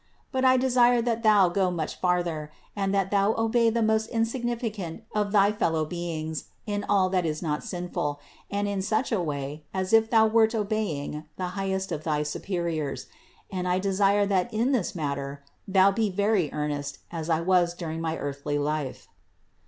But I desire that thou go much farther, and that thou obey the most insignifi cant of thy fellow beings in all that is not sinful, and in 196 CITY OF GOD such a way, as if thou wert obeying the highest of thy superiors; and I desire that in this matter thou be very earnest, as I was during my earthly life.